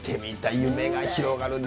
夢が広がるね。